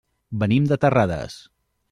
Venim de Terrades.